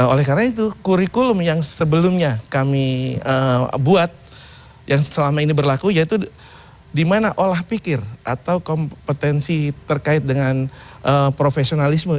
oleh karena itu kurikulum yang sebelumnya kami buat yang selama ini berlaku yaitu di mana olah pikir atau kompetensi terkait dengan profesionalisme